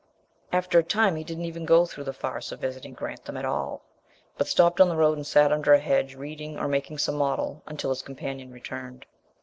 After a time he didn't even go through the farce of visiting Grantham at all; but stopped on the road and sat under a hedge, reading or making some model, until his companion returned.